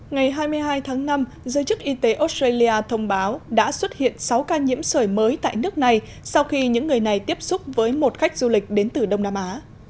ngày hai mươi hai tháng năm giới chức y tế australia thông báo đã xuất hiện sáu ca nhiễm sởi mới tại nước này sau khi những người này tiếp xúc với một khách du lịch đến từ đông nam á